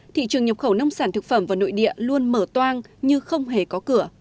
thị trường nhập khẩu nông sản thực phẩm vào nội địa luôn mở toang như không hề có cửa